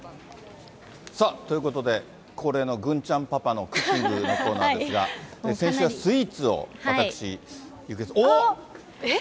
ということで、高齢の郡ちゃんパパのクッキングのコーナーですが、先週はスイーえっ？